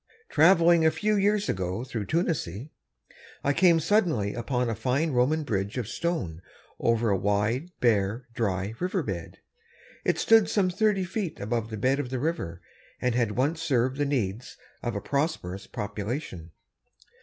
Traveling a few years ago through Tunisie, I came suddenly upon a fine Roman bridge of stone over a wide, bare, dry river bed. It stood some thirty feet above the bed of the river and had once served the needs of a prosperous population.